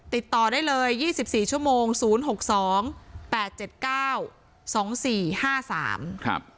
ติดต่อได้เลยยี่สิบสี่ชั่วโมงศูนย์หกสองแปดเจ็ดเก้าสองสี่ห้าสามครับ